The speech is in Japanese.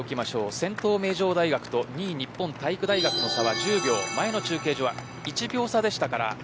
先頭、名城大学と２位、日本体育大学の差は１０秒前の中継所は１秒差でしたから。